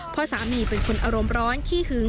เพราะสามีเป็นคนอารมณ์ร้อนขี้หึง